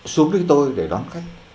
xuống đi tôi để đón khách